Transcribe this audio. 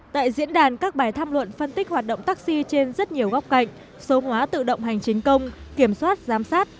tại diễn đàn các bài tham luận phân tích hoạt động taxi trên rất nhiều góc cạnh số hóa tự động hành chính công kiểm soát giám sát